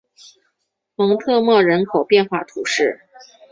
蒙特莫人口变化图示